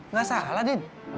nggak salah din